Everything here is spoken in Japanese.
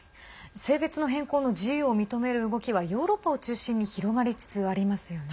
性別の変更の自由を認める動きはヨーロッパを中心に広がりつつありますよね。